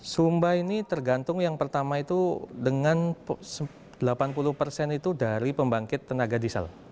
sumba ini tergantung yang pertama itu dengan delapan puluh persen itu dari pembangkit tenaga diesel